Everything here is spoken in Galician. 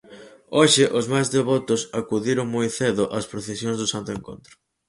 Hoxe os máis devotos acudiron moi cedo ás procesións do Santo Encontro.